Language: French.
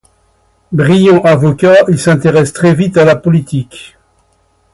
Brillant avocat, il s'intéresse très vite à la politique.